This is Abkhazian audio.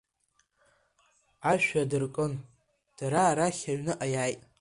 Ашә ҩадыркын дара арахь аҩныҟа иааит.